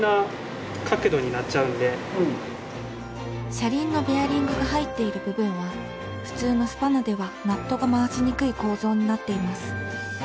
車輪のベアリングが入っている部分は普通のスパナではナットが回しにくい構造になっています。